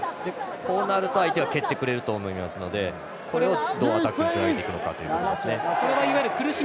こうなると相手は蹴ってくれると思いますのでこれをどうアタックにつなげていくのか。